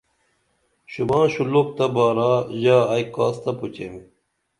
شوباں شُلُوک تہ بارا ژا ائی کاس تہ پُچیم